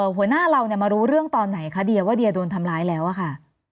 หัวหน้าเรามารู้เรื่องตอนไหนคะเดียว่าเดียโดนทำร้ายแล้วอะค่ะ